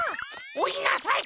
おいなさい！